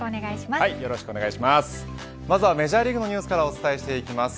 まずはメジャーリーグのニュースからお伝えしていきます。